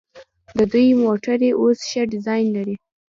د دوی موټرې اوس ښه ډیزاین لري.